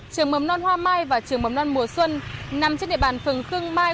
trường hồn non hoa mai và trường hồn non bồ xuân nằm trên địa bàn phường khương mai